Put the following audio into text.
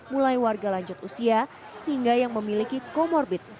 mulai warga lanjut usia hingga yang memiliki comorbid